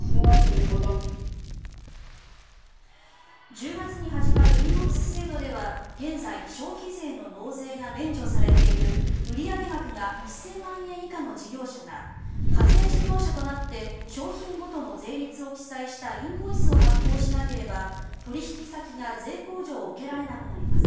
１０月に始まるインボイス制度では現在、消費税の納税が免除されている売上額が１０００万円以下の事業者が課税事業者となって商品ごとの税率を記載したインボイスを発行しなければ取引先が税控除を受けられなくなります。